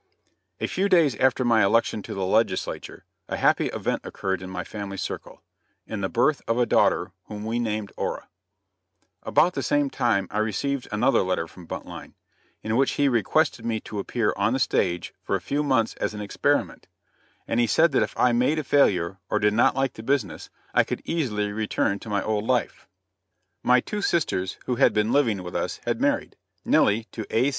A few days after my election to the legislature a happy event occurred in my family circle, in the birth of a daughter whom we named Ora; about the same time I received another letter from Buntline, in which he requested me to appear on the stage for a few months as an experiment; and he said that if I made a failure or did not like the business, I could easily return to my old life. My two sisters who had been living with us had married, Nellie, to A.